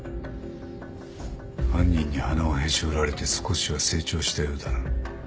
犯人に鼻をへし折られて少しは成長したようだな。